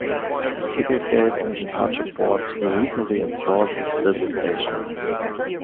Ticket gates and departure boards were recently installed at this station.